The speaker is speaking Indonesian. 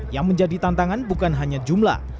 yang menjadi tantangan bukan hanya jumlah